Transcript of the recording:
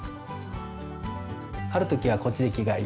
「ある時はこっちで着替えよう」